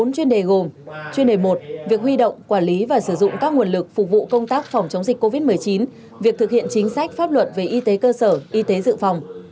bốn chuyên đề gồm chuyên đề một việc huy động quản lý và sử dụng các nguồn lực phục vụ công tác phòng chống dịch covid một mươi chín việc thực hiện chính sách pháp luật về y tế cơ sở y tế dự phòng